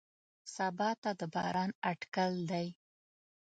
سبا ته د باران اټکل دی.